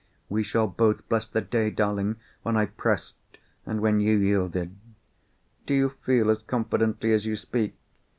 "We shall both bless the day, darling, when I pressed, and when you yielded." "Do you feel as confidently as you speak?"